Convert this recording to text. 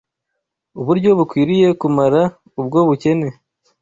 uburyo bukwiriye kumara ubwo bukene